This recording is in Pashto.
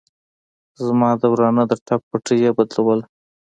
زما د ورانه د ټپ پټۍ يې بدلوله.